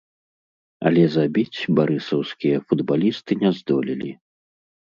Але забіць барысаўскія футбалісты не здолелі.